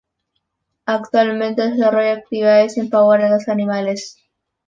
Actualmente desarrolla actividades en favor de los animales.